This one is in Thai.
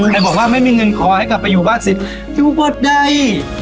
แต่บอกว่าไม่มีเงินขอให้กลับไปอยู่บ้านสิทธิ์อยู่บทใด